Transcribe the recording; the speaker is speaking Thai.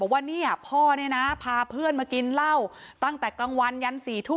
ว่าเนี่ยพ่อเนี่ยนะพาเพื่อนมากินเหล้าตั้งแต่กลางวันยัน๔ทุ่ม